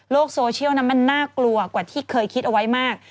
โซเชียลนั้นมันน่ากลัวกว่าที่เคยคิดเอาไว้มาก